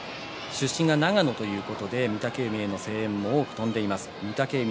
出身が長野ということで御嶽海の声援が多く飛んでいます。